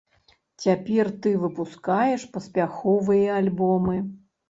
Цяпер ты выпускаеш паспяховыя альбомы.